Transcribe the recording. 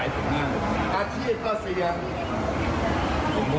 เท้านั้นหรือยังครับเท้านั้นหรือยังครับ